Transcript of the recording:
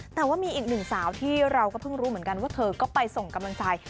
แต่ว่ามีอีกหนึ่งสาวที่เราก็เพิ่งรู้เหมือนกันว่าเธอก็ไปส่งกำลังใจ